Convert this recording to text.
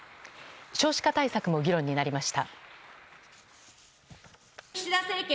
少子化対策も議論になりました。